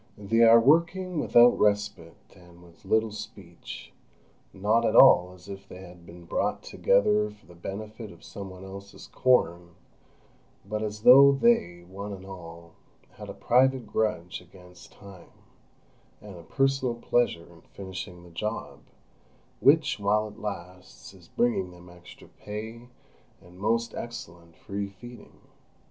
They are working without respite and with little speech, not at all as if they had been brought together for the benefit of some one else's corn, but as though they, one and all, had a private grudge against Time and a personal pleasure in finishing this job, which, while it lasts, is bringing them extra pay and most excellent free feeding.